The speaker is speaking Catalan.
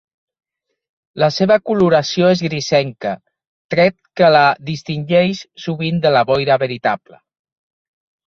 La seva coloració és grisenca, tret que la distingeix sovint de la boira veritable.